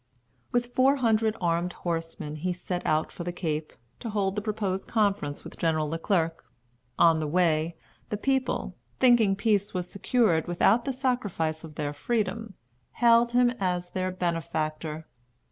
With four hundred armed horsemen he set out for the Cape, to hold the proposed conference with General Le Clerc. On the way, the people, thinking peace was secured without the sacrifice of their freedom, hailed him as their benefactor.